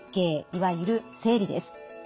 いわゆる生理です。